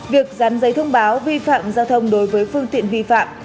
việc dán giấy thông báo vi phạm giao thông đối với phương tiện vi phạm